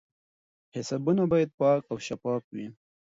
حسابونه باید پاک او شفاف وي.